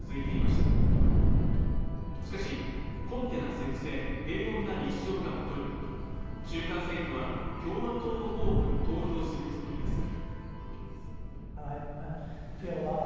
しかしコンテナ設置で平穏な日常が戻り中間選挙は共和党の候補に投票するつもりです